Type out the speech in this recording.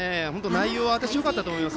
内容はよかったと思います。